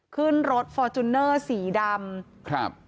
ขึ้นรถฟอร์จุนเนอร์สีดำ